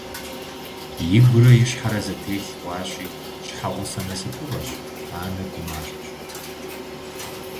Игурэ и щхьэрэ зэтелъ хъуащи, щхьэгъусэ насыпыфӏэщ, анэ гумащӏэщ…